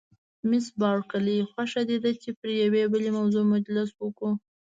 مس بارکلي: خوښه دې ده چې پر یوې بلې موضوع مجلس وکړو؟